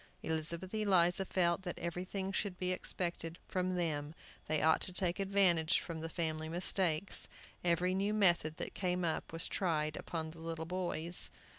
Elizabeth Eliza felt that everything should be expected from them; they ought to take advantage from the family mistakes. Every new method that came up was tried upon the little boys.